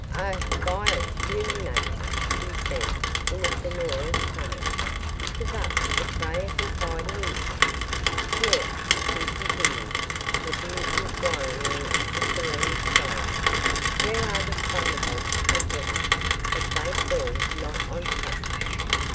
'Oh, vile human nature,' he said, in a sonorous tone, 'to thus betray a confiding infant! Where,' he continued, looking inquiringly at the serene sky, 'where are the thunderbolts of Heaven that they fall not on such?